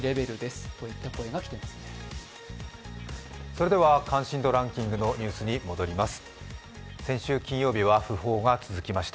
それでは関心度ランキングのニュースに続きます。